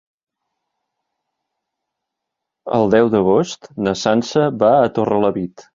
El deu d'agost na Sança va a Torrelavit.